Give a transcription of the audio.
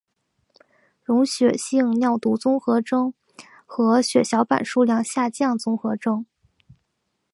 溶血性尿毒综合征和血小板数量下降综合征。